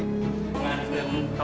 selamat ya wi